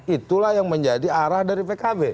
itulah yang menjadi arah dari pkb